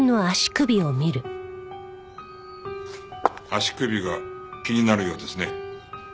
足首が気になるようですね。